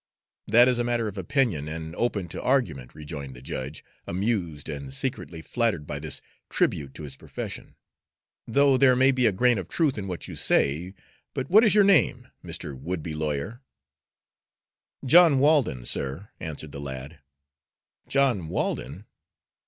"That is a matter of opinion, and open to argument," rejoined the judge, amused and secretly flattered by this tribute to his profession, "though there may be a grain of truth in what you say. But what is your name, Mr. Would be lawyer?" "John Walden, sir," answered the lad. "John Walden?